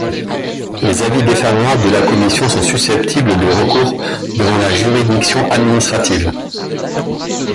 Les avis défavorables de la commission sont susceptibles de recours devant la juridiction administrative.